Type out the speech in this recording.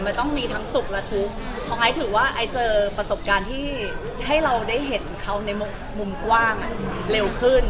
มันต้องมีทั้งสุขและทุกข์เพราะไอซ์ถือว่าไอ้เจอประสบการณ์ที่ให้เราได้เห็นเขาในมุมกว้างเร็วขึ้น